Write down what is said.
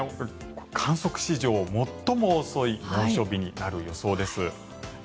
観測史上最も遅い猛暑日になる予想です。